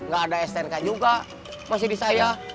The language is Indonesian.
gak ada stnk juga masih di saya